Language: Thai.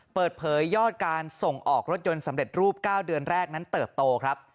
เปิดเผยยอดการส่งออกรถยนต์สำเร็จรูป๙เดือนแรกนั้นเติบโตครับ